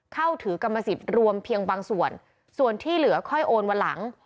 เข้าถือกรรมสิทธิ์รวมเพียงบางส่วนส่วนที่เหลือค่อยโอนวันหลัง